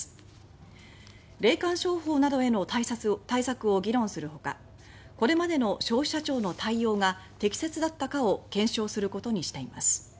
霊感商法などへの対策を議論するほかこれまでの消費者庁の対応が適切だったかを検証することにしています。